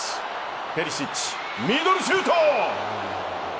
ペリシッチ、ミドルシュート！